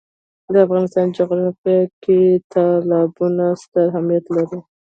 د افغانستان جغرافیه کې تالابونه ستر اهمیت لري.